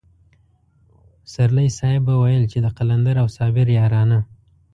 پسرلی صاحب به ويل چې د قلندر او صابر يارانه.